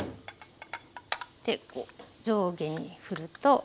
でこう上下に振ると。